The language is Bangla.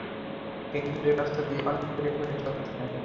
তিনি দূরের রাস্তা দিয়ে অনেক ঘুরে ঘুরে চলতে থাকেন।